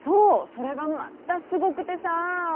それがまたすごくてさ。